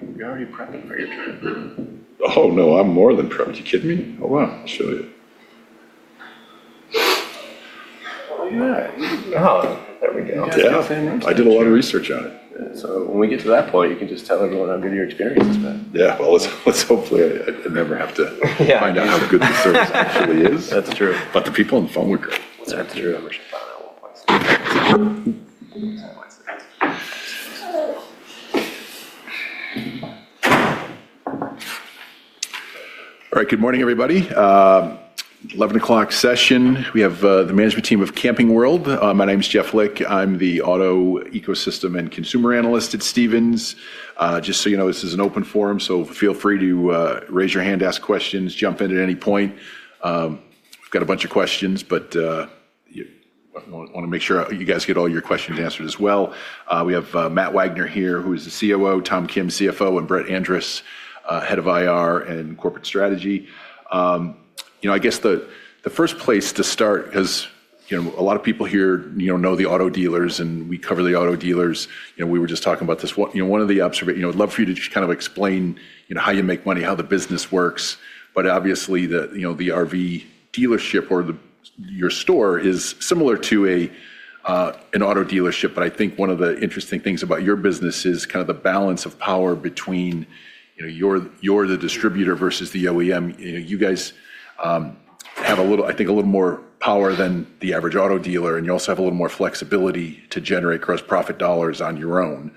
We're already prepping for your trip. Oh, no. I'm more than prepped. You kidding me? Oh, wow. I'll show you. Look at that. Wow. There we go. Yeah. I did a lot of research on it. When we get to that point, you can just tell everyone how good your experience has been. Yeah. Let's hope I never have to find out how good the service actually is. That's true. The people on the phone were great. That's true. All right. Good morning, everybody. 11:00 session. We have the management team of Camping World. My name's Jeff Lick. I'm the auto ecosystem and consumer analyst at Stephens. Just so you know, this is an open forum, so feel free to raise your hand, ask questions, jump in at any point. We've got a bunch of questions, but I want to make sure you guys get all your questions answered as well. We have Matt Wagner here, who is the COO, Tom Kirn, CFO, and Brett Andress, head of IR and corporate strategy. I guess the first place to start, because a lot of people here know the auto dealers and we cover the auto dealers. We were just talking about this. One of the observations, I'd love for you to just kind of explain how you make money, how the business works. Obviously, the RV dealership or your store is similar to an auto dealership. I think one of the interesting things about your business is kind of the balance of power between you're the distributor versus the OEM. You guys have a little, I think, a little more power than the average auto dealer, and you also have a little more flexibility to generate gross profit dollars on your own.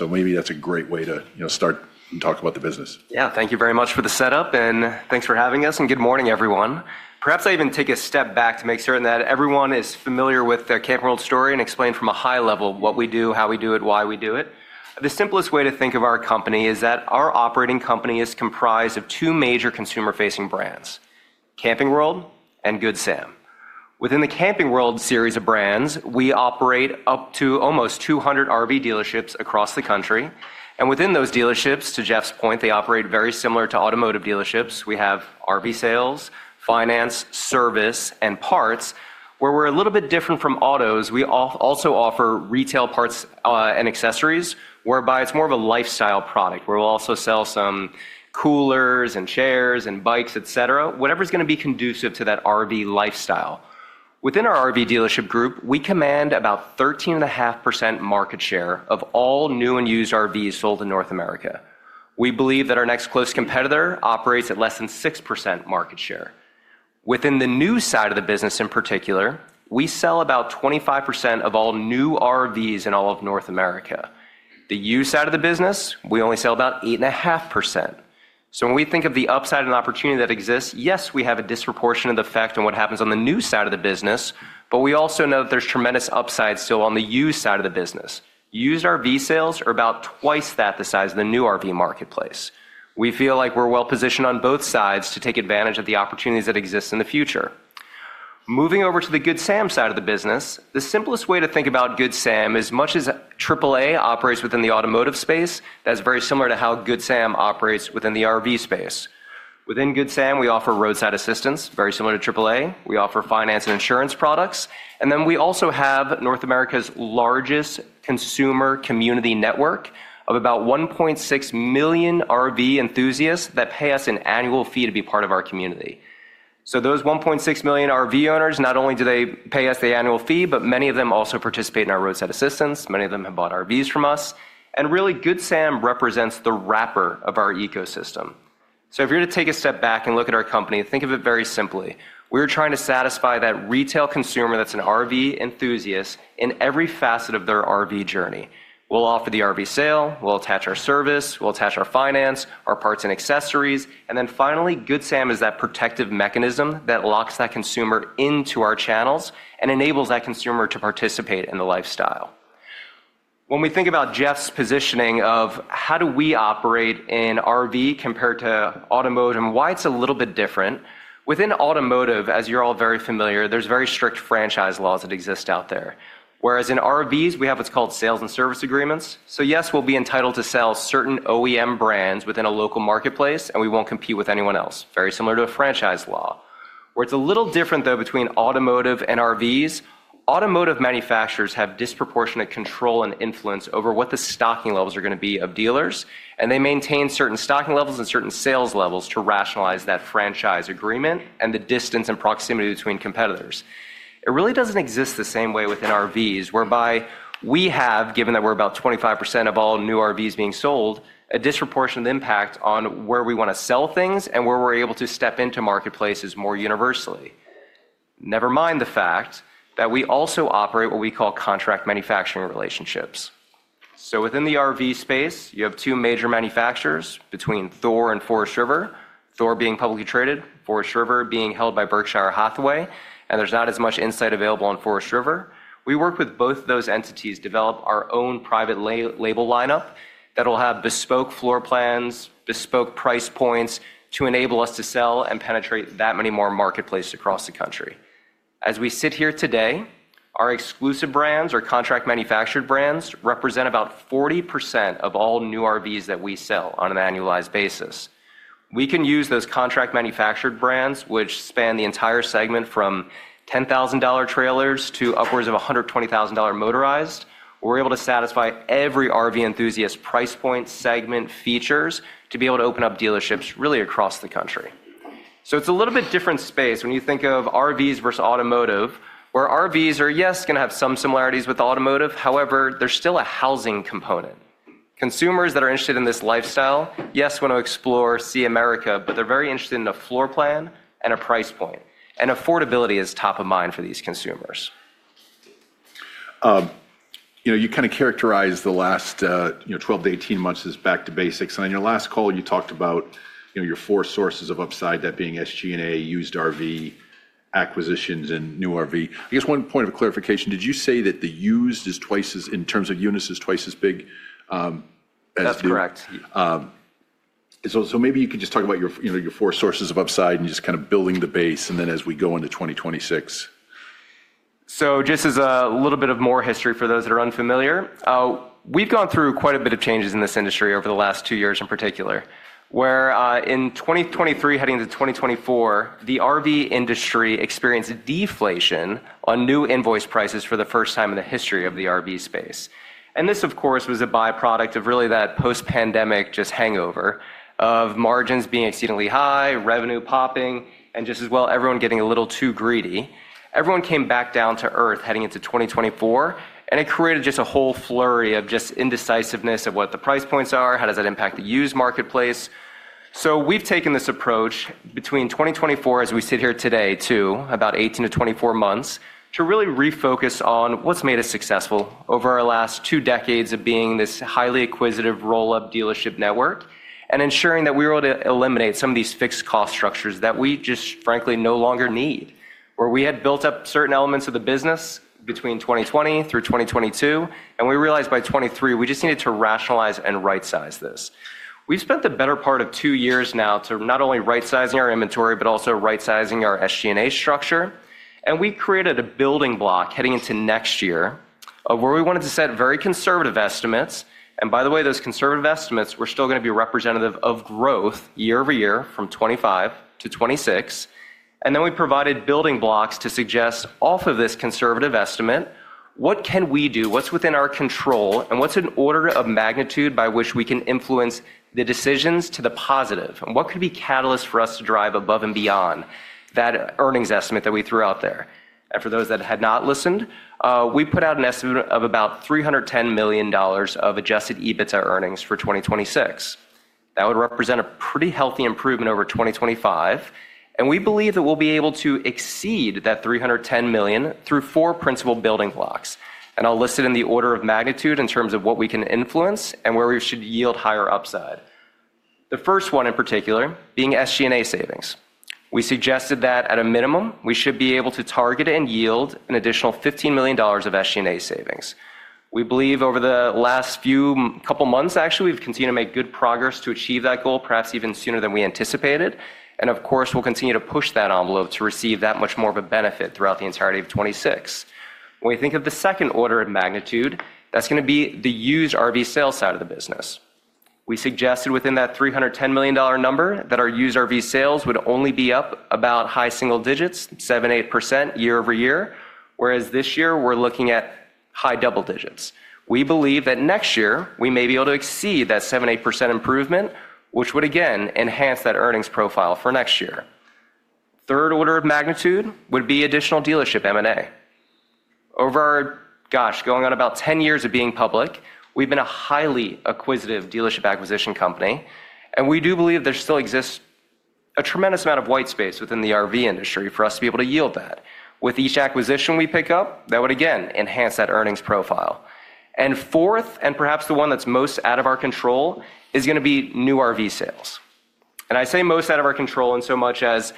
Maybe that's a great way to start and talk about the business. Yeah. Thank you very much for the setup, and thanks for having us. Good morning, everyone. Perhaps I even take a step back to make certain that everyone is familiar with the Camping World story and explain from a high level what we do, how we do it, why we do it. The simplest way to think of our company is that our operating company is comprised of two major consumer-facing brands: Camping World and Good Sam. Within the Camping World series of brands, we operate up to almost 200 RV dealerships across the country. Within those dealerships, to Jeff's point, they operate very similar to automotive dealerships. We have RV sales, finance, service, and parts, where we're a little bit different from autos. We also offer retail parts and accessories, whereby it's more of a lifestyle product, where we'll also sell some coolers and chairs and bikes, etc., whatever's going to be conducive to that RV lifestyle. Within our RV dealership group, we command about 13.5% market share of all new and used RVs sold in North America. We believe that our next close competitor operates at less than 6% market share. Within the new side of the business, in particular, we sell about 25% of all new RVs in all of North America. The used side of the business, we only sell about 8.5%. When we think of the upside and opportunity that exists, yes, we have a disproportionate effect on what happens on the new side of the business, but we also know that there's tremendous upside still on the used side of the business. Used RV sales are about twice that, the size of the new RV marketplace. We feel like we're well positioned on both sides to take advantage of the opportunities that exist in the future. Moving over to the Good Sam side of the business, the simplest way to think about Good Sam, as much as AAA operates within the automotive space, that's very similar to how Good Sam operates within the RV space. Within Good Sam, we offer roadside assistance, very similar to AAA. We offer finance and insurance products. We also have North America's largest consumer community network of about 1.6 million RV enthusiasts that pay us an annual fee to be part of our community. Those 1.6 million RV owners, not only do they pay us the annual fee, but many of them also participate in our roadside assistance. Many of them have bought RVs from us. Good Sam represents the wrapper of our ecosystem. If you take a step back and look at our company, think of it very simply. We are trying to satisfy that retail consumer who is an RV enthusiast in every facet of their RV journey. We will offer the RV sale. We will attach our service. We will attach our finance, our parts, and accessories. Finally, Good Sam is that protective mechanism that locks that consumer into our channels and enables that consumer to participate in the lifestyle. When we think about Jeff's positioning of how we operate in RV compared to automotive and why it is a little bit different, within automotive, as you are all very familiar, there are very strict franchise laws that exist out there. Whereas in RVs, we have what is called sales and service agreements. Yes, we'll be entitled to sell certain OEM brands within a local marketplace, and we won't compete with anyone else. Very similar to a franchise law. Where it's a little different, though, between automotive and RVs, automotive manufacturers have disproportionate control and influence over what the stocking levels are going to be of dealers. They maintain certain stocking levels and certain sales levels to rationalize that franchise agreement and the distance and proximity between competitors. It really doesn't exist the same way within RVs, whereby we have, given that we're about 25% of all new RVs being sold, a disproportionate impact on where we want to sell things and where we're able to step into marketplaces more universally. Never mind the fact that we also operate what we call contract manufacturing relationships. Within the RV space, you have two major manufacturers between Thor and Forest River, Thor being publicly traded, Forest River being held by Berkshire Hathaway, and there's not as much insight available on Forest River. We work with both of those entities to develop our own private label lineup that'll have bespoke floor plans, bespoke price points to enable us to sell and penetrate that many more marketplaces across the country. As we sit here today, our exclusive brands, our contract manufactured brands, represent about 40% of all new RVs that we sell on an annualized basis. We can use those contract manufactured brands, which span the entire segment from $10,000 trailers to upwards of $120,000 motorized. We're able to satisfy every RV enthusiast price point, segment, features to be able to open up dealerships really across the country. It is a little bit different space when you think of RVs versus automotive, where RVs are, yes, going to have some similarities with automotive. However, there is still a housing component. Consumers that are interested in this lifestyle, yes, want to explore, see America, but they are very interested in a floor plan and a price point. Affordability is top of mind for these consumers. You kind of characterized the last 12 to 18 months as back to basics. On your last call, you talked about your four sources of upside, that being SG&A, used RV acquisitions, and new RV. I guess one point of clarification, did you say that the used is twice as, in terms of units, is twice as big as the? That's correct. Maybe you could just talk about your four sources of upside and just kind of building the base and then as we go into 2026. Just as a little bit of more history for those that are unfamiliar, we've gone through quite a bit of changes in this industry over the last two years in particular, where in 2023, heading into 2024, the RV industry experienced deflation on new invoice prices for the first time in the history of the RV space. This, of course, was a byproduct of really that post-pandemic just hangover of margins being exceedingly high, revenue popping, and just as well, everyone getting a little too greedy. Everyone came back down to earth heading into 2024, and it created just a whole flurry of just indecisiveness of what the price points are, how does that impact the used marketplace. We have taken this approach between 2024, as we sit here today, to about 18-24 months, to really refocus on what has made us successful over our last two decades of being this highly acquisitive roll-up dealership network and ensuring that we were able to eliminate some of these fixed cost structures that we just, frankly, no longer need. Where we had built up certain elements of the business between 2020 through 2022, and we realized by 2023, we just needed to rationalize and right-size this. We have spent the better part of two years now to not only right-size our inventory, but also right-size our SG&A structure. We created a building block heading into next year of where we wanted to set very conservative estimates. By the way, those conservative estimates were still going to be representative of growth year-over-year from 2025 to 2026. We provided building blocks to suggest off of this conservative estimate, what can we do, what's within our control, and what's an order of magnitude by which we can influence the decisions to the positive, and what could be catalysts for us to drive above and beyond that earnings estimate that we threw out there. For those that had not listened, we put out an estimate of about $310 million of adjusted EBITDA earnings for 2026. That would represent a pretty healthy improvement over 2025. We believe that we'll be able to exceed that $310 million through four principal building blocks. I'll list it in the order of magnitude in terms of what we can influence and where we should yield higher upside. The first one in particular being SG&A savings. We suggested that at a minimum, we should be able to target and yield an additional $15 million of SG&A savings. We believe over the last few couple of months, actually, we've continued to make good progress to achieve that goal, perhaps even sooner than we anticipated. Of course, we'll continue to push that envelope to receive that much more of a benefit throughout the entirety of 2026. When we think of the second order of magnitude, that's going to be the used RV sales side of the business. We suggested within that $310 million number that our used RV sales would only be up about high single digits, 7%-8% year-over-year, whereas this year we're looking at high double digits. We believe that next year we may be able to exceed that 7%-8% improvement, which would, again, enhance that earnings profile for next year. Third order of magnitude would be additional dealership M&A. Over our, gosh, going on about 10 years of being public, we've been a highly acquisitive dealership acquisition company. We do believe there still exists a tremendous amount of white space within the RV industry for us to be able to yield that. With each acquisition we pick up, that would, again, enhance that earnings profile. Fourth, and perhaps the one that's most out of our control, is going to be new RV sales. I say most out of our control in so much as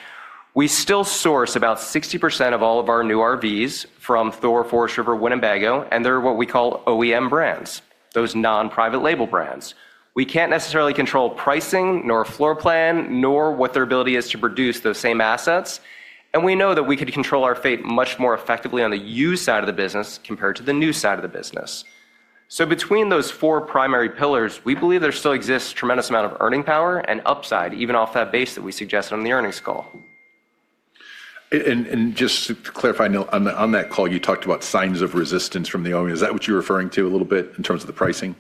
we still source about 60% of all of our new RVs from Thor, Forest River, Winnebago, and they're what we call OEM brands, those non-private label brands. We can't necessarily control pricing, nor floor plan, nor what their ability is to produce those same assets. We know that we could control our fate much more effectively on the used side of the business compared to the new side of the business. Between those four primary pillars, we believe there still exists a tremendous amount of earning power and upside, even off that base that we suggested on the earnings call. Just to clarify, on that call, you talked about signs of resistance from the OEM. Is that what you're referring to a little bit in terms of the pricing?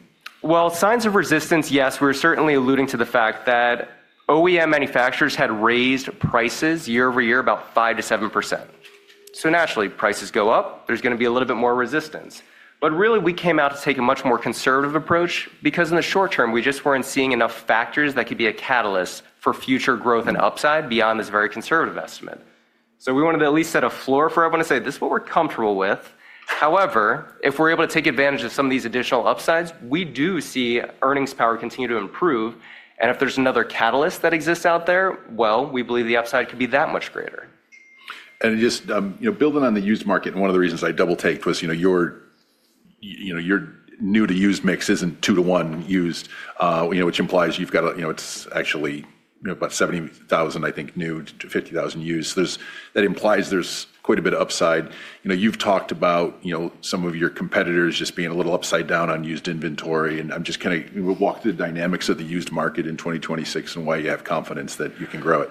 Signs of resistance, yes. We were certainly alluding to the fact that OEM manufacturers had raised prices year-over year about 5%-7%. Naturally, prices go up. There's going to be a little bit more resistance. Really, we came out to take a much more conservative approach because in the short term, we just weren't seeing enough factors that could be a catalyst for future growth and upside beyond this very conservative estimate. We wanted to at least set a floor for everyone to say, "This is what we're comfortable with." However, if we're able to take advantage of some of these additional upsides, we do see earnings power continue to improve. If there's another catalyst that exists out there, we believe the upside could be that much greater. Just building on the used market, one of the reasons I double-taped was your new to used mix is not two to one used, which implies you have got to, it is actually about 70,000, I think, new to 50,000 used. That implies there is quite a bit of upside. You have talked about some of your competitors just being a little upside down on used inventory. I am just going to walk through the dynamics of the used market in 2026 and why you have confidence that you can grow it.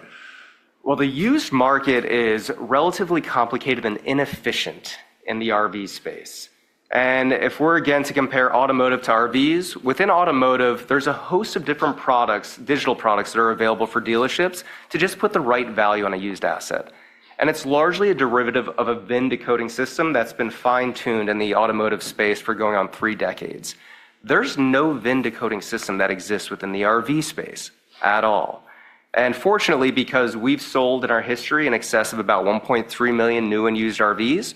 The used market is relatively complicated and inefficient in the RV space. If we're again to compare automotive to RVs, within automotive, there's a host of different products, digital products that are available for dealerships to just put the right value on a used asset. It's largely a derivative of a VIN decoding system that's been fine-tuned in the automotive space for going on three decades. There's no VIN decoding system that exists within the RV space at all. Fortunately, because we've sold in our history in excess of about 1.3 million new and used RVs,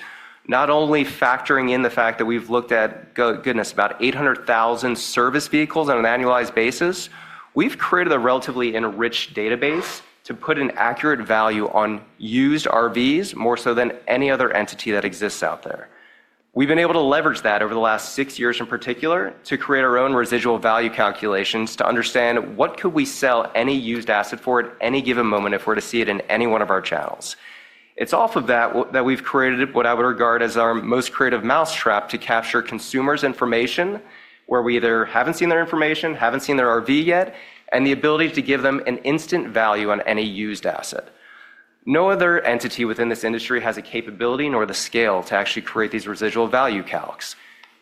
not only factoring in the fact that we've looked at, goodness, about 800,000 service vehicles on an annualized basis, we've created a relatively enriched database to put an accurate value on used RVs more so than any other entity that exists out there. We've been able to leverage that over the last six years in particular to create our own residual value calculations to understand what could we sell any used asset for at any given moment if we're to see it in any one of our channels. It's off of that that we've created what I would regard as our most creative mousetrap to capture consumers' information, where we either haven't seen their information, haven't seen their RV yet, and the ability to give them an instant value on any used asset. No other entity within this industry has a capability nor the scale to actually create these residual value calcs.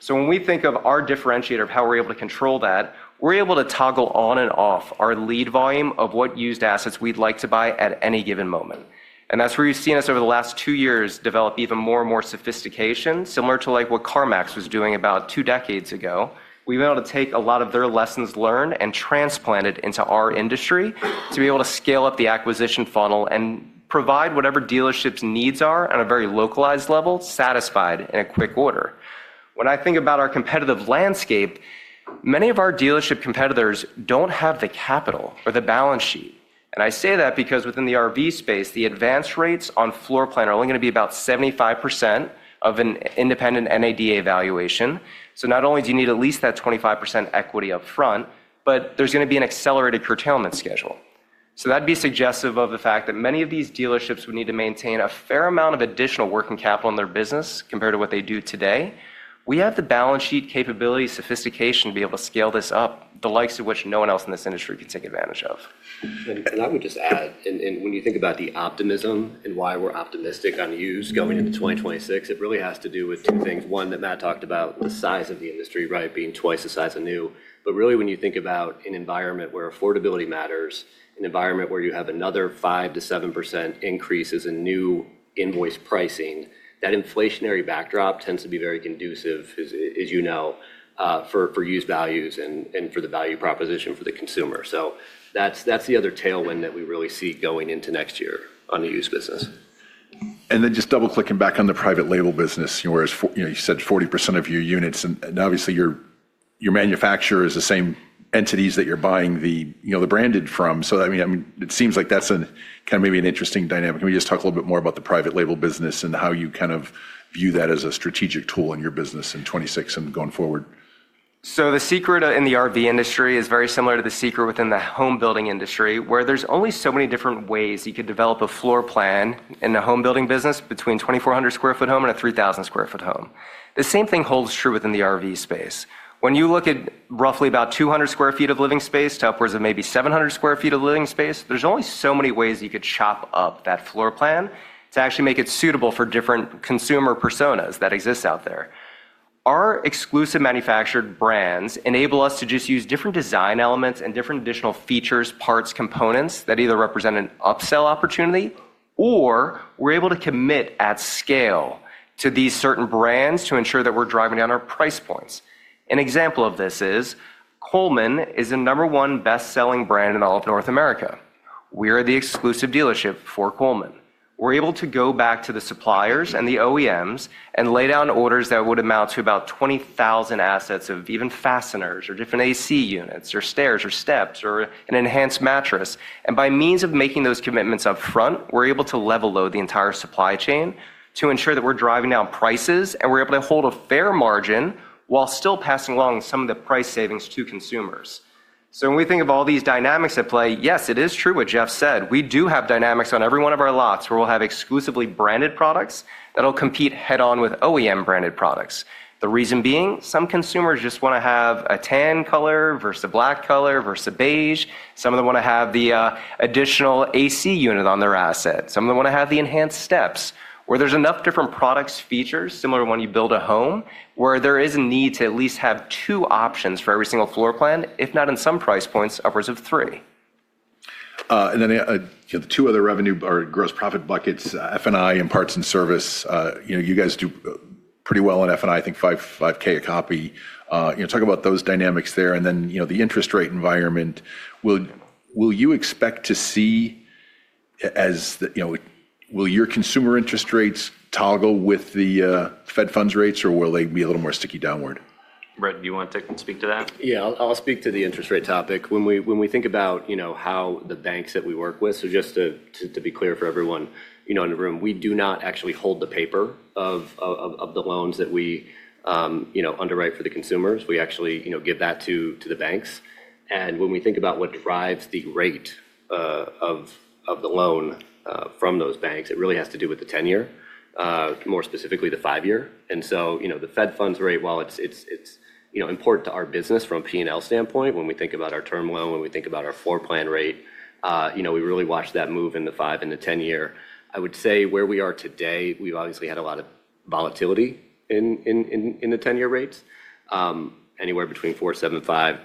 When we think of our differentiator of how we're able to control that, we're able to toggle on and off our lead volume of what used assets we'd like to buy at any given moment. That's where you've seen us over the last two years develop even more and more sophistication, similar to what CarMax was doing about two decades ago. We've been able to take a lot of their lessons learned and transplant it into our industry to be able to scale up the acquisition funnel and provide whatever dealerships' needs are on a very localized level, satisfied in a quick order. When I think about our competitive landscape, many of our dealership competitors don't have the capital or the balance sheet. I say that because within the RV space, the advance rates on floor plan are only going to be about 75% of an independent NADA valuation. Not only do you need at least that 25% equity upfront, but there's going to be an accelerated curtailment schedule. That'd be suggestive of the fact that many of these dealerships would need to maintain a fair amount of additional working capital in their business compared to what they do today. We have the balance sheet capability, sophistication to be able to scale this up, the likes of which no one else in this industry can take advantage of. I would just add, when you think about the optimism and why we're optimistic on used going into 2026, it really has to do with two things. One that Matt talked about, the size of the industry, right, being twice the size of new. Really, when you think about an environment where affordability matters, an environment where you have another 5%-7% increases in new invoice pricing, that inflationary backdrop tends to be very conducive, as you know, for used values and for the value proposition for the consumer. That's the other tailwind that we really see going into next year on the used business. Just double-clicking back on the private label business, whereas you said 40% of your units, and obviously your manufacturer is the same entities that you're buying the branded from. I mean, it seems like that's kind of maybe an interesting dynamic. Can we just talk a little bit more about the private label business and how you kind of view that as a strategic tool in your business in 2026 and going forward? The secret in the RV industry is very similar to the secret within the home building industry, where there's only so many different ways you could develop a floor plan in the home building business between a 2,400 sq ft home and a 3,000 sq ft home. The same thing holds true within the RV space. When you look at roughly about 200 sq ft of living space to upwards of maybe 700 sq ft of living space, there's only so many ways you could chop up that floor plan to actually make it suitable for different consumer personas that exist out there. Our exclusive manufactured brands enable us to just use different design elements and different additional features, parts, components that either represent an upsell opportunity, or we're able to commit at scale to these certain brands to ensure that we're driving down our price points. An example of this is Coleman is the number one best-selling brand in all of North America. We are the exclusive dealership for Coleman. We're able to go back to the suppliers and the OEMs and lay down orders that would amount to about 20,000 assets of even fasteners or different AC units or stairs or steps or an enhanced mattress. By means of making those commitments upfront, we're able to level load the entire supply chain to ensure that we're driving down prices and we're able to hold a fair margin while still passing along some of the price savings to consumers. When we think of all these dynamics at play, yes, it is true what Jeff said. We do have dynamics on every one of our lots where we'll have exclusively branded products that'll compete head-on with OEM branded products. The reason being, some consumers just want to have a tan color versus a black color versus a beige. Some of them want to have the additional AC unit on their asset. Some of them want to have the enhanced steps, where there's enough different product features similar to when you build a home, where there is a need to at least have two options for every single floor plan, if not in some price points, upwards of three. The two other revenue or gross profit buckets, F&I and parts and service, you guys do pretty well on F&I, I think $5,000 a copy. Talk about those dynamics there. The interest rate environment, will you expect to see as will your consumer interest rates toggle with the Fed funds rates, or will they be a little more sticky downward? Brett, do you want to take and speak to that? Yeah, I'll speak to the interest rate topic. When we think about how the banks that we work with, so just to be clear for everyone in the room, we do not actually hold the paper of the loans that we underwrite for the consumers. We actually give that to the banks. When we think about what drives the rate of the loan from those banks, it really has to do with the 10-year, more specifically the 5-year. The Fed funds rate, while it's important to our business from a P&L standpoint, when we think about our term loan, when we think about our floor plan rate, we really watch that move in the 5 and the 10-year. I would say where we are today, we've obviously had a lot of volatility in the 10-year rates, anywhere between 4.75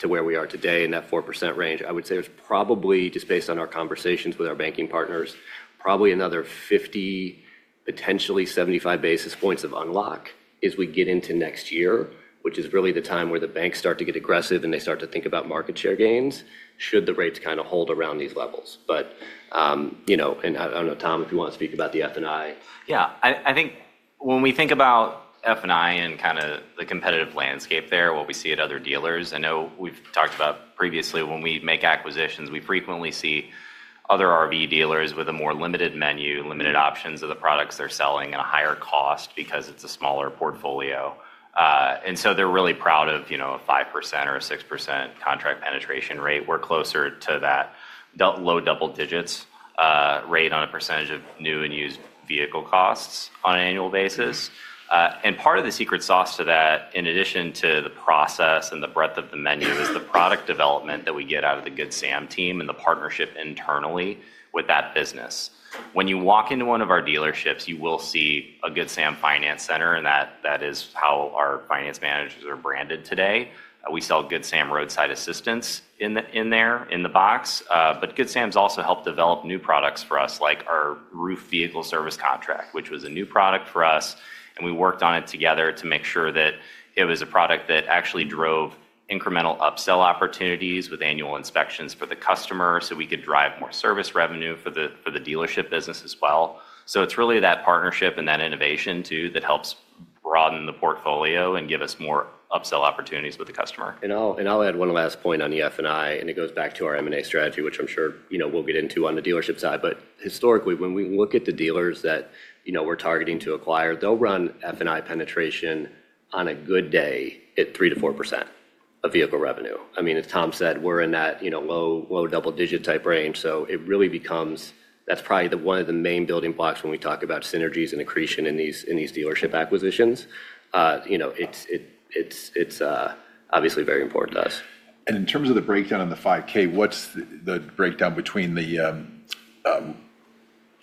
to where we are today in that 4% range. I would say it's probably, just based on our conversations with our banking partners, probably another 50, potentially 75 basis points of unlock as we get into next year, which is really the time where the banks start to get aggressive and they start to think about market share gains should the rates kind of hold around these levels. I don't know, Tom, if you want to speak about the F&I. Yeah, I think when we think about F&I and kind of the competitive landscape there, what we see at other dealers, I know we've talked about previously when we make acquisitions, we frequently see other RV dealers with a more limited menu, limited options of the products they're selling at a higher cost because it's a smaller portfolio. They are really proud of a 5% or a 6% contract penetration rate. We're closer to that low double digits rate on a percentage of new and used vehicle costs on an annual basis. Part of the secret sauce to that, in addition to the process and the breadth of the menu, is the product development that we get out of the Good Sam team and the partnership internally with that business. When you walk into one of our dealerships, you will see a Good Sam Finance Center, and that is how our finance managers are branded today. We sell Good Sam roadside assistance in there in the box. Good Sam's also helped develop new products for us, like our roof vehicle service contract, which was a new product for us. We worked on it together to make sure that it was a product that actually drove incremental upsell opportunities with annual inspections for the customer so we could drive more service revenue for the dealership business as well. It is really that partnership and that innovation too that helps broaden the portfolio and give us more upsell opportunities with the customer. I'll add one last point on the F&I, and it goes back to our M&A strategy, which I'm sure we'll get into on the dealership side. Historically, when we look at the dealers that we're targeting to acquire, they'll run F&I penetration on a good day at 3%-4% of vehicle revenue. I mean, as Tom said, we're in that low double digit type range. It really becomes that's probably one of the main building blocks when we talk about synergies and accretion in these dealership acquisitions. It's obviously very important to us. In terms of the breakdown on the 5K, what's the breakdown between the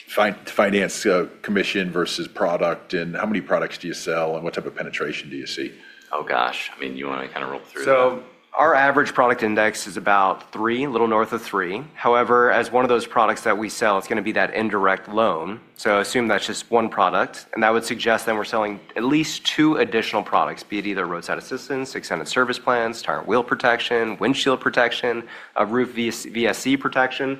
finance commission versus product? How many products do you sell? What type of penetration do you see? Oh, gosh. I mean, you want to kind of roll through that? Our average product index is about three, a little north of three. However, as one of those products that we sell, it's going to be that indirect loan. Assume that's just one product. That would suggest that we're selling at least two additional products, be it either roadside assistance, extended service plans, tire and wheel protection, windshield protection, or roof VSC protection.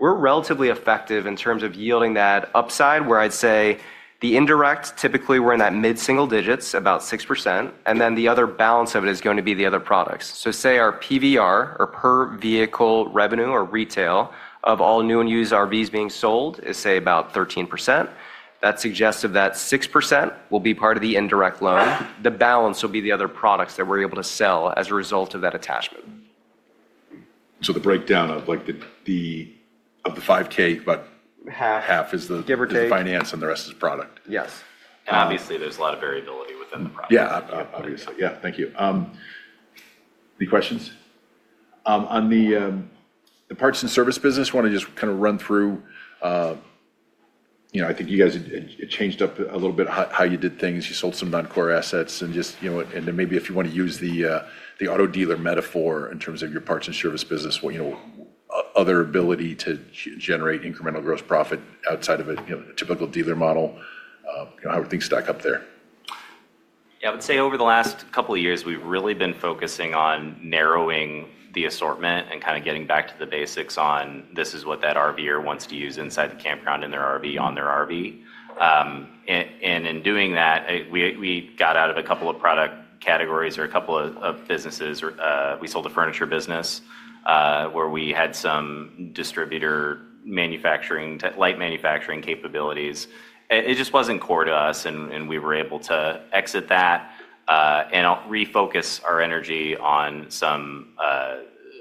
We're relatively effective in terms of yielding that upside, where I'd say the indirect, typically we're in that mid-single digits, about 6%. The other balance of it is going to be the other products. Say our PVR, or per vehicle revenue or retail of all new and used RVs being sold, is about 13%. That's suggestive that 6% will be part of the indirect loan. The balance will be the other products that we're able to sell as a result of that attachment. The breakdown of the $5,000, but half is the finance and the rest is product. Yes. Obviously, there's a lot of variability within the product. Yeah, obviously. Yeah, thank you. Any questions? On the parts and service business, I want to just kind of run through. I think you guys had changed up a little bit how you did things. You sold some non-core assets. Maybe if you want to use the auto dealer metaphor in terms of your parts and service business, other ability to generate incremental gross profit outside of a typical dealer model, how do things stack up there? Yeah, I would say over the last couple of years, we've really been focusing on narrowing the assortment and kind of getting back to the basics on this is what that RVer wants to use inside the campground in their RV, on their RV. In doing that, we got out of a couple of product categories or a couple of businesses. We sold a furniture business where we had some distributor light manufacturing capabilities. It just wasn't core to us, and we were able to exit that and refocus our energy on some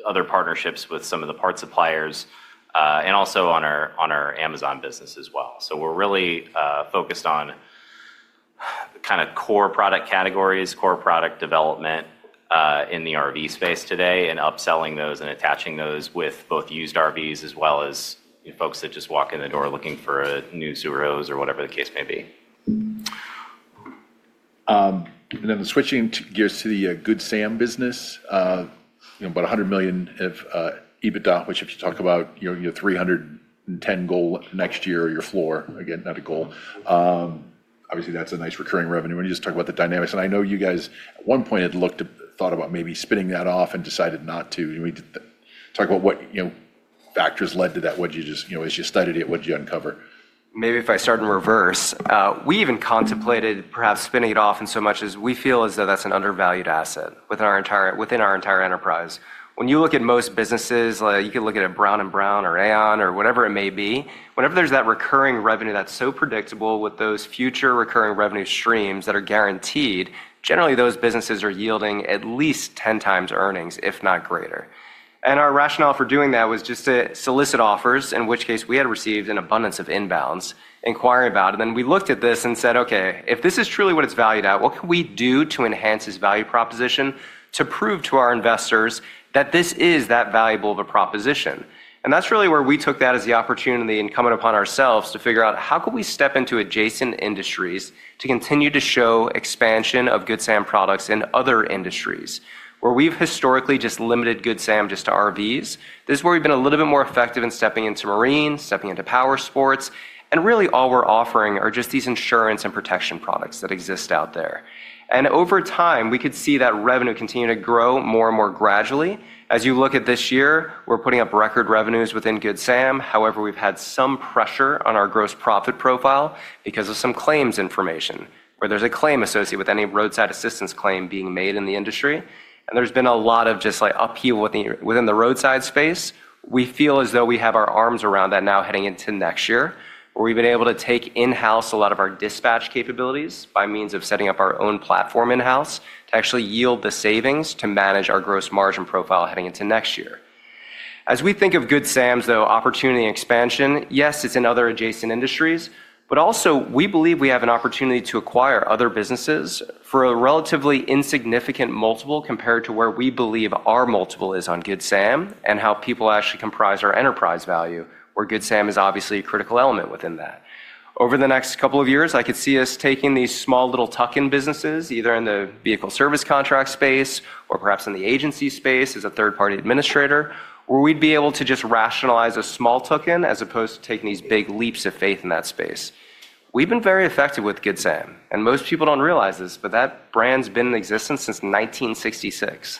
other partnerships with some of the parts suppliers and also on our Amazon business as well. We're really focused on kind of core product categories, core product development in the RV space today and upselling those and attaching those with both used RVs as well as folks that just walk in the door looking for a new Subarus or whatever the case may be. Switching gears to the Good Sam business, about $100 million EBITDA, which if you talk about your $310 million goal next year or your floor, again, not a goal. Obviously, that's a nice recurring revenue. When you just talk about the dynamics, and I know you guys at one point had thought about maybe spinning that off and decided not to. Talk about what factors led to that. As you studied it, what did you uncover? Maybe if I start in reverse, we even contemplated perhaps spinning it off in so much as we feel as though that's an undervalued asset within our entire enterprise. When you look at most businesses, you can look at a Brown and Brown or Aon or whatever it may be. Whenever there's that recurring revenue that's so predictable with those future recurring revenue streams that are guaranteed, generally those businesses are yielding at least 10 times earnings, if not greater. Our rationale for doing that was just to solicit offers, in which case we had received an abundance of inbounds inquiring about it. We looked at this and said, "Okay, if this is truly what it's valued at, what can we do to enhance this value proposition to prove to our investors that this is that valuable of a proposition?" That is really where we took that as the opportunity and come upon ourselves to figure out how can we step into adjacent industries to continue to show expansion of Good Sam products in other industries where we've historically just limited Good Sam just to RVs. This is where we've been a little bit more effective in stepping into marine, stepping into power sports. Really all we're offering are just these insurance and protection products that exist out there. Over time, we could see that revenue continue to grow more and more gradually. As you look at this year, we're putting up record revenues within Good Sam. However, we've had some pressure on our gross profit profile because of some claims information where there's a claim associated with any roadside assistance claim being made in the industry. There's been a lot of just upheaval within the roadside space. We feel as though we have our arms around that now heading into next year, where we've been able to take in-house a lot of our dispatch capabilities by means of setting up our own platform in-house to actually yield the savings to manage our gross margin profile heading into next year. As we think of Good Sam's, though, opportunity expansion, yes, it's in other adjacent industries, but also we believe we have an opportunity to acquire other businesses for a relatively insignificant multiple compared to where we believe our multiple is on Good Sam and how people actually comprise our enterprise value, where Good Sam is obviously a critical element within that. Over the next couple of years, I could see us taking these small little tuck-in businesses, either in the vehicle service contract space or perhaps in the agency space as a third-party administrator, where we'd be able to just rationalize a small tuck-in as opposed to taking these big leaps of faith in that space. We've been very effective with Good Sam, and most people don't realize this, but that brand's been in existence since 1966.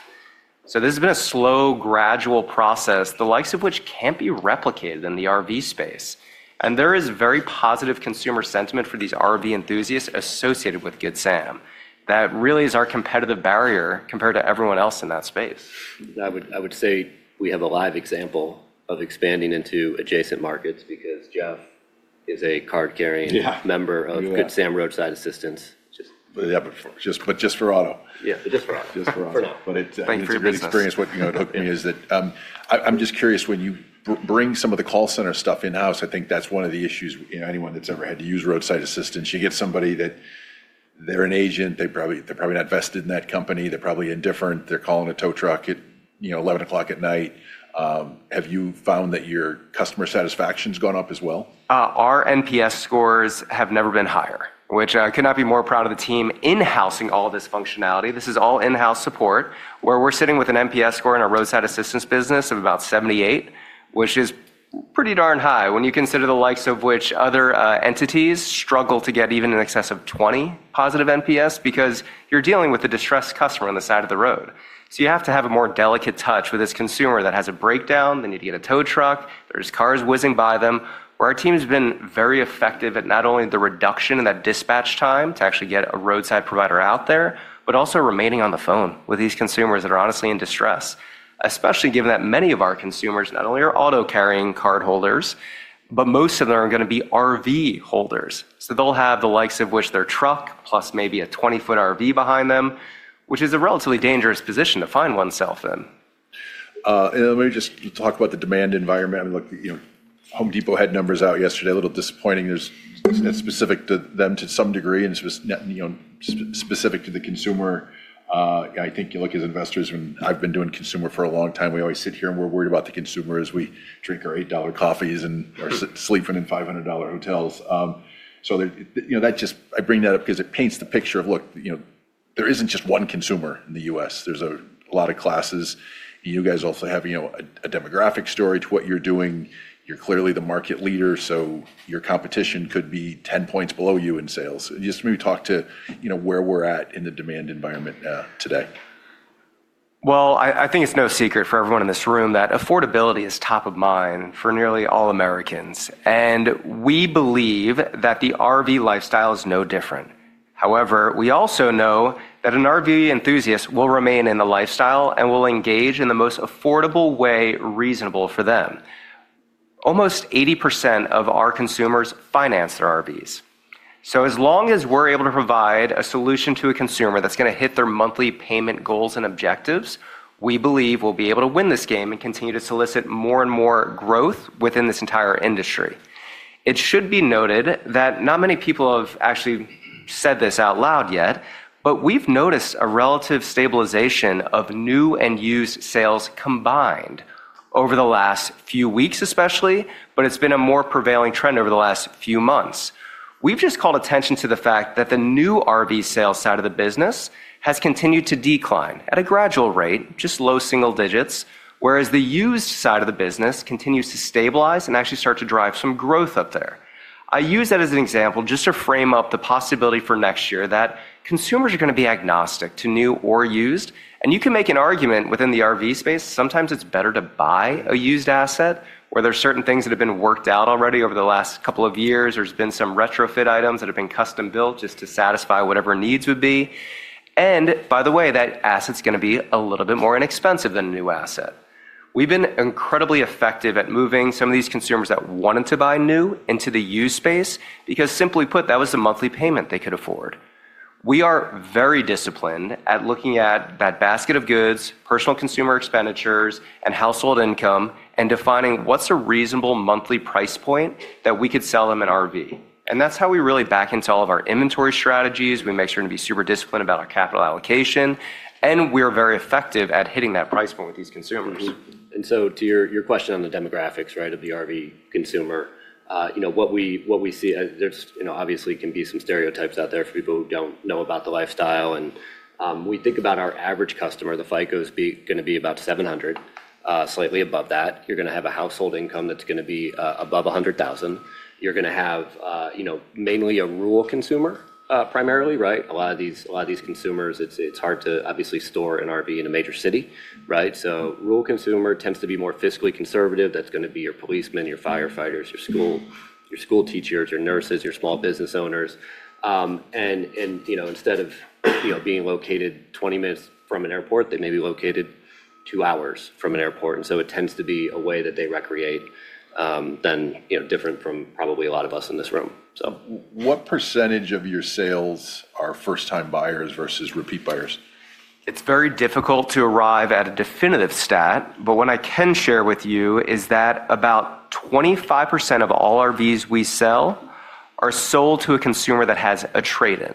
This has been a slow, gradual process, the likes of which can't be replicated in the RV space. There is very positive consumer sentiment for these RV enthusiasts associated with Good Sam. That really is our competitive barrier compared to everyone else in that space. I would say we have a live example of expanding into adjacent markets because Jeff is a card-carrying member of Good Sam Roadside Assistance. Just for auto. Yeah, but just for auto. Just for auto. For now. It's a good experience. What hooked me is that I'm just curious, when you bring some of the call center stuff in-house, I think that's one of the issues anyone that's ever had to use roadside assistance. You get somebody that they're an agent, they're probably not vested in that company, they're probably indifferent, they're calling a tow truck at 11:00 P.M. Have you found that your customer satisfaction's gone up as well? Our NPS scores have never been higher, which I could not be more proud of the team in-housing all this functionality. This is all in-house support, where we're sitting with an NPS score in our roadside assistance business of about 78, which is pretty darn high when you consider the likes of which other entities struggle to get even in excess of 20 positive NPS because you're dealing with a distressed customer on the side of the road. You have to have a more delicate touch with this consumer that has a breakdown, they need to get a tow truck, there's cars whizzing by them, where our team has been very effective at not only the reduction in that dispatch time to actually get a roadside provider out there, but also remaining on the phone with these consumers that are honestly in distress, especially given that many of our consumers not only are auto carrying card holders, but most of them are going to be RV holders. They'll have the likes of which their truck plus maybe a 20-foot RV behind them, which is a relatively dangerous position to find oneself in. Let me just talk about the demand environment. I mean, look, Home Depot had numbers out yesterday, a little disappointing. They're specific to them to some degree, and it was specific to the consumer. I think you look as investors, when I've been doing consumer for a long time, we always sit here and we're worried about the consumer as we drink our $8 coffees and are sleeping in $500 hotels. I bring that up because it paints the picture of, look, there isn't just one consumer in the U.S. There's a lot of classes. You guys also have a demographic story to what you're doing. You're clearly the market leader, so your competition could be 10 points below you in sales. Just maybe talk to where we're at in the demand environment today. I think it's no secret for everyone in this room that affordability is top of mind for nearly all Americans. We believe that the RV lifestyle is no different. However, we also know that an RV enthusiast will remain in the lifestyle and will engage in the most affordable way reasonable for them. Almost 80% of our consumers finance their RVs. As long as we're able to provide a solution to a consumer that's going to hit their monthly payment goals and objectives, we believe we'll be able to win this game and continue to solicit more and more growth within this entire industry. It should be noted that not many people have actually said this out loud yet, but we've noticed a relative stabilization of new and used sales combined over the last few weeks, especially, but it's been a more prevailing trend over the last few months. We've just called attention to the fact that the new RV sales side of the business has continued to decline at a gradual rate, just low single digits, whereas the used side of the business continues to stabilize and actually start to drive some growth up there. I use that as an example just to frame up the possibility for next year that consumers are going to be agnostic to new or used. You can make an argument within the RV space. Sometimes it's better to buy a used asset where there are certain things that have been worked out already over the last couple of years, or there's been some retrofit items that have been custom built just to satisfy whatever needs would be. By the way, that asset's going to be a little bit more inexpensive than a new asset. We've been incredibly effective at moving some of these consumers that wanted to buy new into the used space because, simply put, that was a monthly payment they could afford. We are very disciplined at looking at that basket of goods, personal consumer expenditures, and household income, and defining what's a reasonable monthly price point that we could sell them an RV. That's how we really back into all of our inventory strategies. We make sure to be super disciplined about our capital allocation, and we are very effective at hitting that price point with these consumers. To your question on the demographics, right, of the RV consumer, what we see, there obviously can be some stereotypes out there for people who do not know about the lifestyle. We think about our average customer, the FICO is going to be about 700, slightly above that. You are going to have a household income that is going to be above $100,000. You are going to have mainly a rural consumer primarily, right? A lot of these consumers, it is hard to obviously store an RV in a major city, right? Rural consumer tends to be more fiscally conservative. That is going to be your policemen, your firefighters, your school teachers, your nurses, your small business owners. Instead of being located 20 minutes from an airport, they may be located two hours from an airport. It tends to be a way that they recreate, different from probably a lot of us in this room. What percentage of your sales are first-time buyers versus repeat buyers? It's very difficult to arrive at a definitive stat, but what I can share with you is that about 25% of all RVs we sell are sold to a consumer that has a trade-in.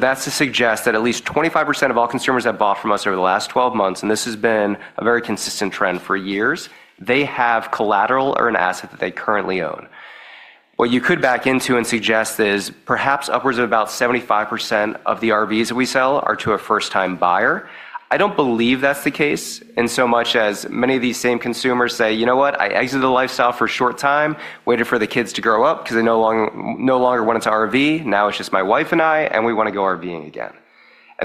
That's to suggest that at least 25% of all consumers that bought from us over the last 12 months, and this has been a very consistent trend for years, they have collateral or an asset that they currently own. What you could back into and suggest is perhaps upwards of about 75% of the RVs that we sell are to a first-time buyer. I don't believe that's the case in so much as many of these same consumers say, "You know what? I exited the lifestyle for a short time, waited for the kids to grow up because they no longer wanted to RV. Now it's just my wife and I, and we want to go RVing again.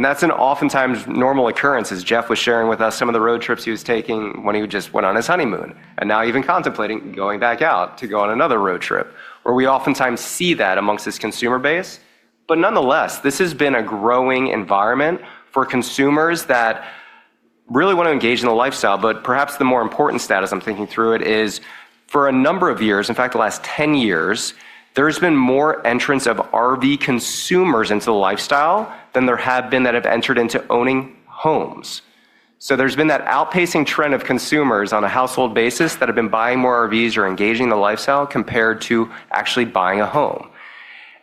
That's an oftentimes normal occurrence, as Jeff was sharing with us some of the road trips he was taking when he just went on his honeymoon. Now even contemplating going back out to go on another road trip, we oftentimes see that amongst his consumer base. Nonetheless, this has been a growing environment for consumers that really want to engage in the lifestyle. Perhaps the more important status, I'm thinking through it, is for a number of years, in fact, the last 10 years, there has been more entrance of RV consumers into the lifestyle than there have been that have entered into owning homes. There's been that outpacing trend of consumers on a household basis that have been buying more RVs or engaging in the lifestyle compared to actually buying a home.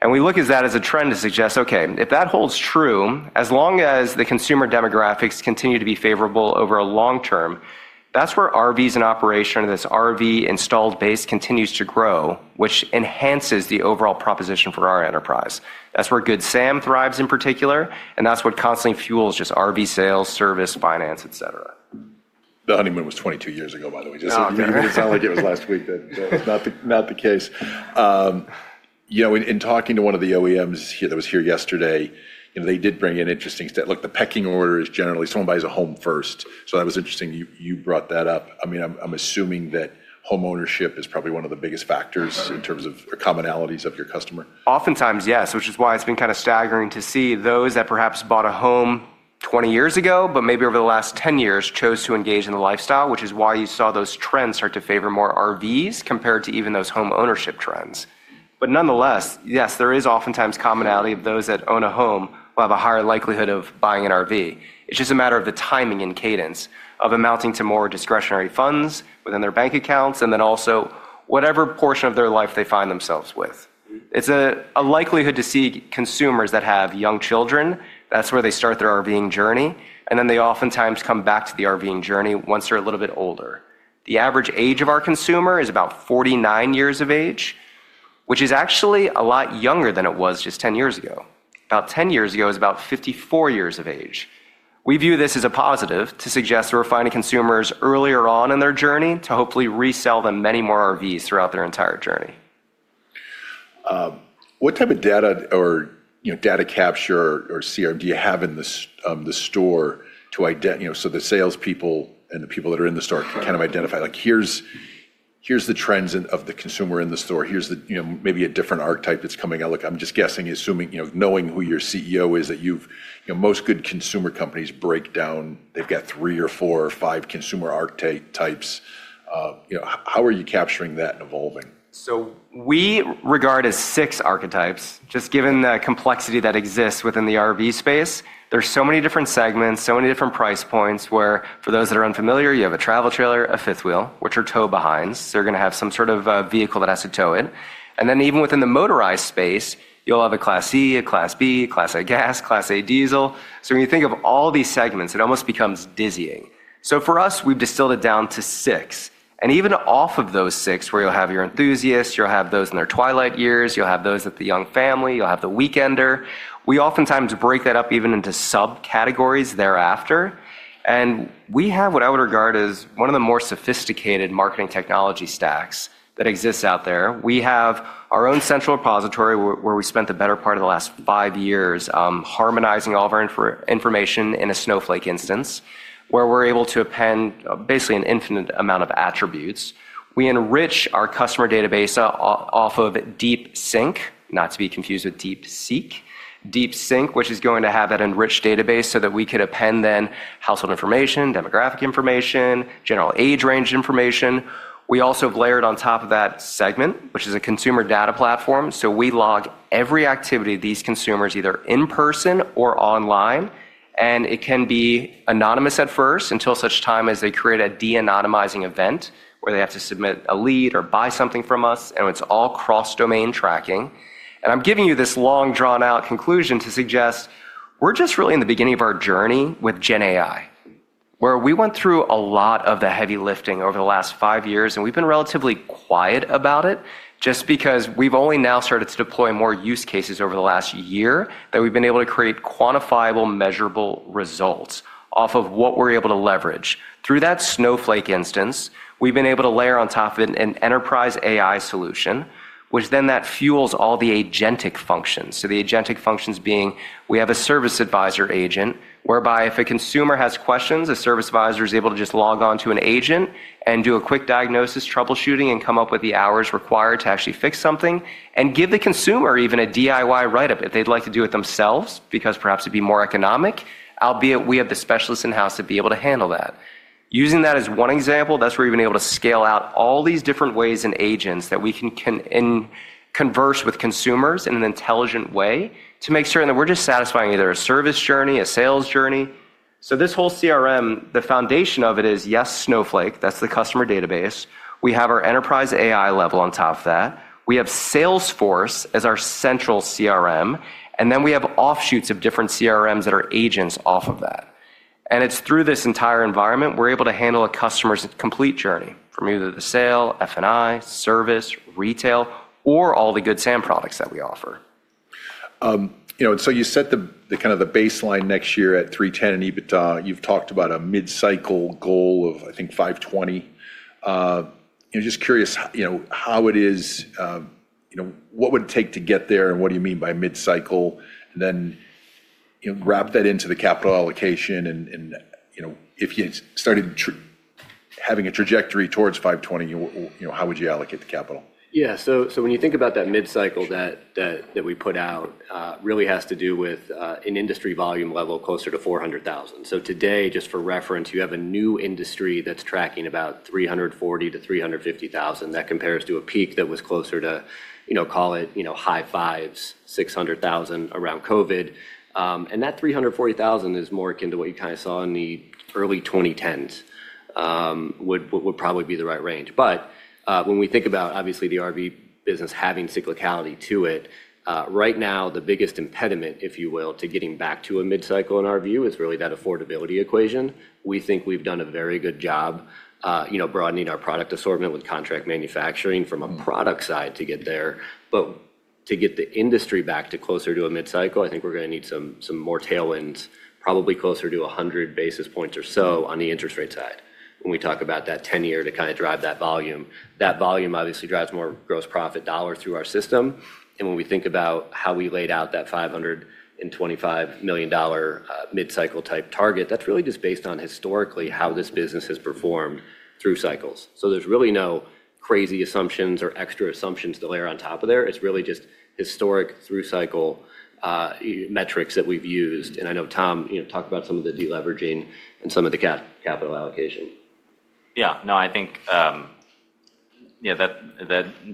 We look at that as a trend to suggest, "Okay, if that holds true, as long as the consumer demographics continue to be favorable over a long term, that's where RVs in operation, this RV installed base continues to grow, which enhances the overall proposition for our enterprise." That's where Good Sam thrives in particular, and that's what constantly fuels just RV sales, service, finance, etc. The honeymoon was 22 years ago, by the way. It didn't sound like it was last week. That's not the case. In talking to one of the OEMs that was here yesterday, they did bring in interesting stuff. Look, the pecking order is generally someone buys a home first. That was interesting you brought that up. I mean, I'm assuming that homeownership is probably one of the biggest factors in terms of commonalities of your customer. Oftentimes, yes, which is why it's been kind of staggering to see those that perhaps bought a home 20 years ago, but maybe over the last 10 years chose to engage in the lifestyle, which is why you saw those trends start to favor more RVs compared to even those homeownership trends. Nonetheless, yes, there is oftentimes commonality of those that own a home will have a higher likelihood of buying an RV. It's just a matter of the timing and cadence of amounting to more discretionary funds within their bank accounts and then also whatever portion of their life they find themselves with. It's a likelihood to see consumers that have young children. That's where they start their RVing journey. They oftentimes come back to the RVing journey once they're a little bit older. The average age of our consumer is about 49 years of age, which is actually a lot younger than it was just 10 years ago. About 10 years ago was about 54 years of age. We view this as a positive to suggest that we're finding consumers earlier on in their journey to hopefully resell them many more RVs throughout their entire journey. What type of data or data capture or CRM do you have in the store so the salespeople and the people that are in the store can kind of identify, like, "Here's the trends of the consumer in the store. Here's maybe a different archetype that's coming out." Look, I'm just guessing, assuming, knowing who your CEO is, that most good consumer companies break down, they've got three or four or five consumer archetypes. How are you capturing that and evolving? We regard as six archetypes, just given the complexity that exists within the RV space. There are so many different segments, so many different price points where, for those that are unfamiliar, you have a travel trailer, a fifth wheel, which are tow-behinds. They are going to have some sort of vehicle that has to tow it. Even within the motorized space, you will have a Class E, a Class B, a Class A gas, Class A diesel. When you think of all these segments, it almost becomes dizzying. For us, we have distilled it down to six. Even off of those six, you will have your enthusiasts, you will have those in their twilight years, you will have those at the young family, you will have the weekender. We oftentimes break that up even into subcategories thereafter. We have what I would regard as one of the more sophisticated marketing technology stacks that exists out there. We have our own central repository where we spent the better part of the last five years harmonizing all of our information in a Snowflake instance, where we're able to append basically an infinite amount of attributes. We enrich our customer database off of Deep Sync, not to be confused with Deep Seek, Deep Sync, which is going to have that enriched database so that we could append then household information, demographic information, general age range information. We also have layered on top of that Segment, which is a consumer data platform. We log every activity of these consumers either in person or online. It can be anonymous at first until such time as they create a de-anonymizing event where they have to submit a lead or buy something from us. It is all cross-domain tracking. I am giving you this long drawn-out conclusion to suggest we are just really in the beginning of our journey with GenAI, where we went through a lot of the heavy lifting over the last five years, and we have been relatively quiet about it just because we have only now started to deploy more use cases over the last year that we have been able to create quantifiable, measurable results off of what we are able to leverage. Through that Snowflake instance, we have been able to layer on top of it an enterprise AI solution, which then fuels all the agentic functions. The agentic functions being, we have a service advisor agent, whereby if a consumer has questions, a service advisor is able to just log on to an agent and do a quick diagnosis, troubleshooting, and come up with the hours required to actually fix something and give the consumer even a DIY write-up if they'd like to do it themselves because perhaps it'd be more economic, albeit we have the specialists in-house to be able to handle that. Using that as one example, that's where we've been able to scale out all these different ways and agents that we can converse with consumers in an intelligent way to make certain that we're just satisfying either a service journey, a sales journey. This whole CRM, the foundation of it is, yes, Snowflake. That's the customer database. We have our enterprise AI level on top of that. We have Salesforce as our central CRM, and then we have offshoots of different CRMs that are agents off of that. It is through this entire environment we are able to handle a customer's complete journey from either the sale, F&I, service, retail, or all the Good Sam products that we offer. You set the kind of the baseline next year at $310 million in EBITDA. You have talked about a mid-cycle goal of, I think, $520 million. Just curious how it is, what would it take to get there, and what do you mean by mid-cycle? Then wrap that into the capital allocation. If you started having a trajectory towards $520 million, how would you allocate the capital? Yeah. When you think about that mid-cycle that we put out, it really has to do with an industry volume level closer to 400,000. Today, just for reference, you have a new industry that's tracking about 340,000-350,000. That compares to a peak that was closer to, call it high fives, 600,000 around COVID. That 340,000 is more akin to what you kind of saw in the early 2010s would probably be the right range. When we think about, obviously, the RV business having cyclicality to it, right now, the biggest impediment, if you will, to getting back to a mid-cycle in our view is really that affordability equation. We think we've done a very good job broadening our product assortment with contract manufacturing from a product side to get there. To get the industry back to closer to a mid-cycle, I think we're going to need some more tailwinds, probably closer to 100 basis points or so on the interest rate side when we talk about that 10-year to kind of drive that volume. That volume obviously drives more gross profit dollar through our system. When we think about how we laid out that $525 million mid-cycle type target, that's really just based on historically how this business has performed through cycles. There are really no crazy assumptions or extra assumptions to layer on top of there. It's really just historic through-cycle metrics that we've used. I know Tom talked about some of the deleveraging and some of the capital allocation. Yeah. No, I think that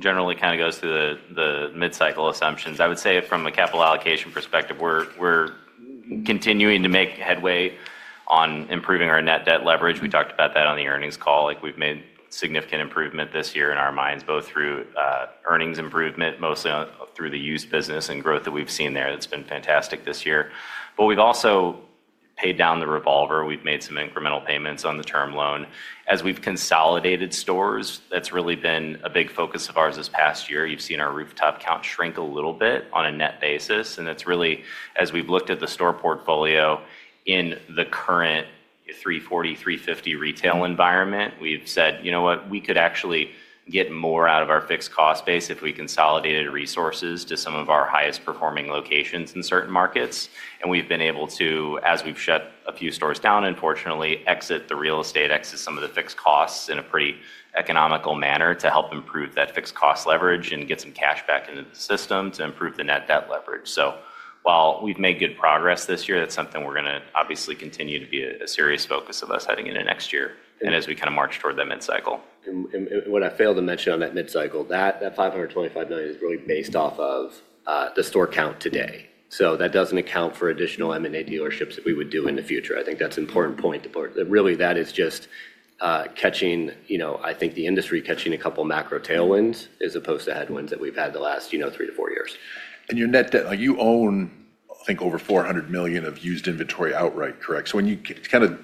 generally kind of goes through the mid-cycle assumptions. I would say from a capital allocation perspective, we're continuing to make headway on improving our net debt leverage. We talked about that on the earnings call. We've made significant improvement this year in our minds, both through earnings improvement, mostly through the used business and growth that we've seen there. It's been fantastic this year. We've also paid down the revolver. We've made some incremental payments on the term loan. As we've consolidated stores, that's really been a big focus of ours this past year. You've seen our rooftop count shrink a little bit on a net basis. That's really, as we've looked at the store portfolio in the current 340-350 retail environment, we've said, "You know what? We could actually get more out of our fixed cost base if we consolidated resources to some of our highest-performing locations in certain markets. We have been able to, as we have shut a few stores down, unfortunately, exit the real estate, exit some of the fixed costs in a pretty economical manner to help improve that fixed cost leverage and get some cash back into the system to improve the net debt leverage. While we have made good progress this year, that is something we are going to obviously continue to be a serious focus of us heading into next year and as we kind of march toward that mid-cycle. What I failed to mention on that mid-cycle, that $525 million is really based off of the store count today. That does not account for additional M&A dealerships that we would do in the future. I think that is an important point. Really, that is just catching, I think, the industry catching a couple of macro tailwinds as opposed to headwinds that we have had the last three to four years. Your net debt, you own, I think, over $400 million of used inventory outright, correct? When you kind of,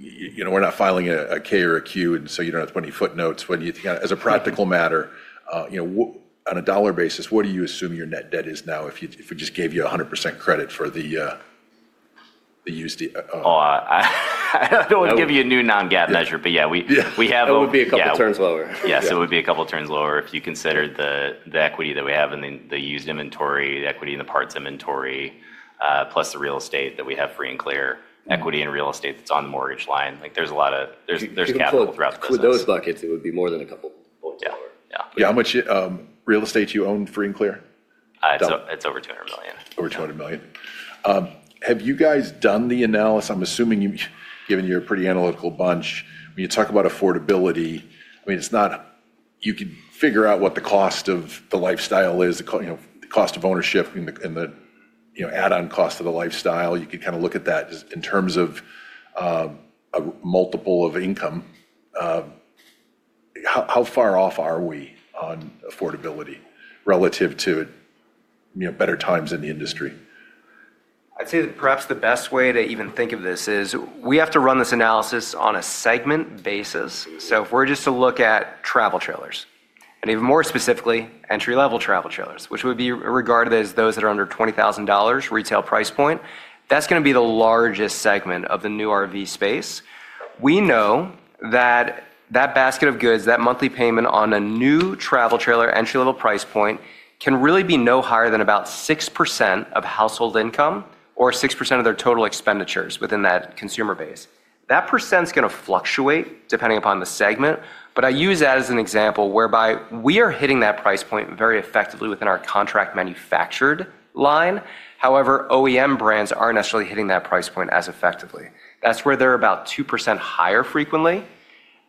we're not filing a K or a Q, and so you don't have to put any footnotes. As a practical matter, on a dollar basis, what do you assume your net debt is now if we just gave you 100% credit for the used? I don't want to give you a new non-GAAP measure, but yeah, we have a. It would be a couple of turns lower. Yes, it would be a couple of turns lower if you consider the equity that we have in the used inventory, the equity in the parts inventory, plus the real estate that we have free and clear, equity in real estate that's on the mortgage line. There's a lot of, there's capital throughout the business. With those buckets, it would be more than a couple of points lower. Yeah. How much real estate do you own free and clear? It's over $200 million. Over 200 million. Have you guys done the analysis? I'm assuming, given you're a pretty analytical bunch, when you talk about affordability, I mean, it's not, you can figure out what the cost of the lifestyle is, the cost of ownership and the add-on cost of the lifestyle. You could kind of look at that in terms of a multiple of income. How far off are we on affordability relative to better times in the industry? I'd say that perhaps the best way to even think of this is we have to run this analysis on a segment basis. If we're just to look at travel trailers, and even more specifically, entry-level travel trailers, which would be regarded as those that are under $20,000 retail price point, that's going to be the largest segment of the new RV space. We know that that basket of goods, that monthly payment on a new travel trailer entry-level price point can really be no higher than about 6% of household income or 6% of their total expenditures within that consumer base. That %'s going to fluctuate depending upon the segment. I use that as an example whereby we are hitting that price point very effectively within our contract manufactured line. However, OEM brands aren't necessarily hitting that price point as effectively. That's where they're about 2% higher frequently,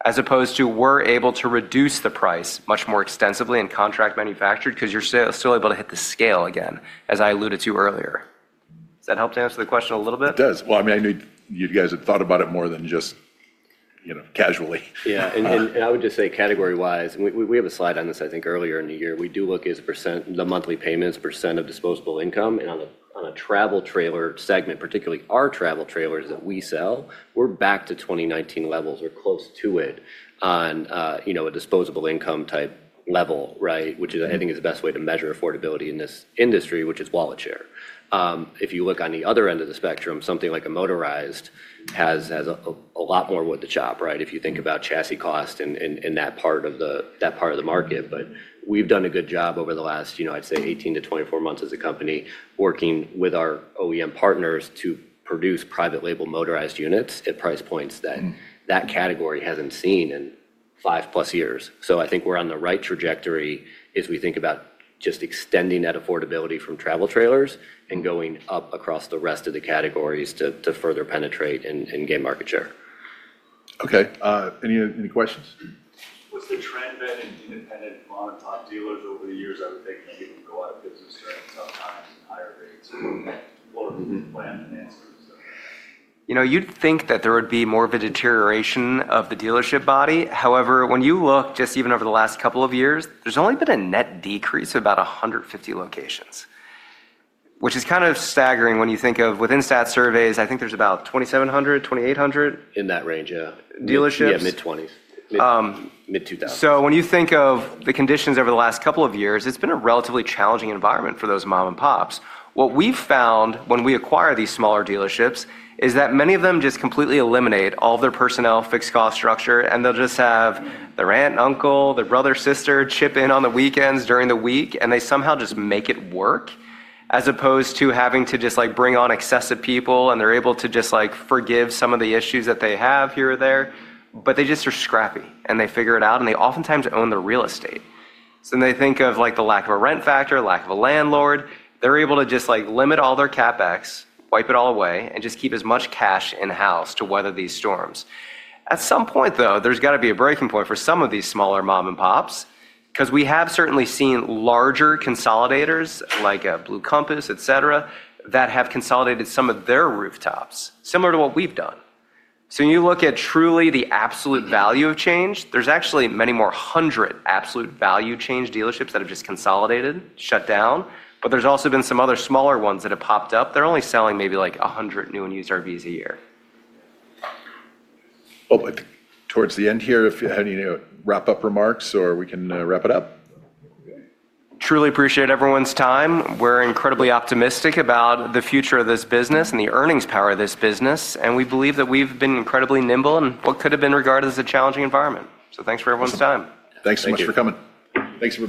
as opposed to we're able to reduce the price much more extensively in contract manufactured because you're still able to hit the scale again, as I alluded to earlier. Does that help to answer the question a little bit? It does. I mean, I knew you guys had thought about it more than just casually. Yeah. I would just say category-wise, we have a slide on this, I think, earlier in the year. We do look at the monthly payments, % of disposable income. On a travel trailer segment, particularly our travel trailers that we sell, we're back to 2019 levels. We're close to it on a disposable income type level, right, which I think is the best way to measure affordability in this industry, which is wallet share. If you look on the other end of the spectrum, something like a motorized has a lot more wood to chop, right, if you think about chassis cost and that part of the market. We've done a good job over the last, I'd say, 18 to 24 months as a company working with our OEM partners to produce private-label motorized units at price points that that category hasn't seen in five-plus years. I think we're on the right trajectory as we think about just extending that affordability from travel trailers and going up across the rest of the categories to further penetrate and gain market share. Okay. Any questions? What's the trend been in independent mom-and-pop dealers over the years? I would think they're going to go out of business during tough times and higher rates. What are the planned financials? You'd think that there would be more of a deterioration of the dealership body. However, when you look just even over the last couple of years, there's only been a net decrease of about 150 locations, which is kind of staggering when you think of within stats surveys, I think there's about 2,700, 2,800. In that range, yeah. Dealerships? Yeah, mid-20s, mid-2000s. When you think of the conditions over the last couple of years, it's been a relatively challenging environment for those mom-and-pops. What we've found when we acquire these smaller dealerships is that many of them just completely eliminate all of their personnel, fixed cost structure, and they'll just have their aunt and uncle, their brother and sister chip in on the weekends during the week, and they somehow just make it work as opposed to having to just bring on excessive people, and they're able to just forgive some of the issues that they have here or there. They just are scrappy, and they figure it out, and they oftentimes own the real estate. They think of the lack of a rent factor, lack of a landlord. They're able to just limit all their CapEx, wipe it all away, and just keep as much cash in-house to weather these storms. At some point, though, there's got to be a breaking point for some of these smaller mom-and-pops because we have certainly seen larger consolidators like Blue Compass, etc., that have consolidated some of their rooftops, similar to what we've done. When you look at truly the absolute value of change, there's actually many more hundred absolute value change dealerships that have just consolidated, shut down. There's also been some other smaller ones that have popped up. They're only selling maybe like 100 new and used RVs a year. Towards the end here, if you have any wrap-up remarks, or we can wrap it up. Truly appreciate everyone's time. We're incredibly optimistic about the future of this business and the earnings power of this business. We believe that we've been incredibly nimble in what could have been regarded as a challenging environment. Thanks for everyone's time. Thanks so much for coming. Thanks for.